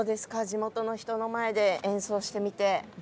地元の人の前で演奏をしてみて。